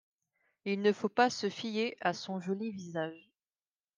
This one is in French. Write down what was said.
Il ne faut pas se fier à son joli visage.